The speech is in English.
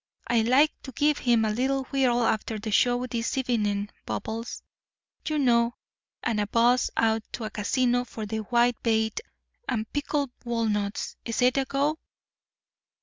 I'd like to give him a little whirl after the show this evening—bubbles, you know, and a buzz out to a casino for the whitebait and pickled walnuts. Is it a go?